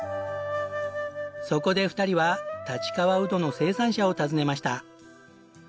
そこで２人は立川うどの生産者を訪ねました。